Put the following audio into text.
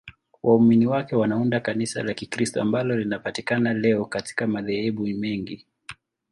Waumini wake wanaunda Kanisa la Kikristo ambalo linapatikana leo katika madhehebu mengi.